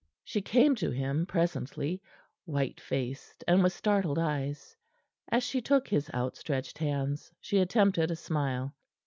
She came to him presently, white faced and with startled eyes. As she took his outstretched hands, she attempted a smile.